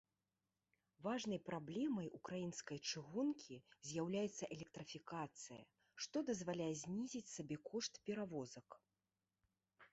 Важнай праблемай ўкраінскай чыгункі з'яўляецца электрыфікацыя, што дазваляе знізіць сабекошт перавозак.